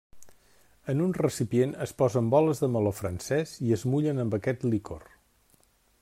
En un recipient es posen boles de meló francès i es mullen amb aquest licor.